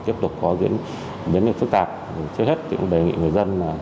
tiếp tục có diễn biến phức tạp trước hết đề nghị người dân